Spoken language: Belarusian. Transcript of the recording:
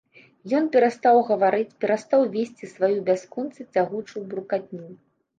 Ён перастаў гаварыць, перастаў весці сваю бясконца цягучую буркатню.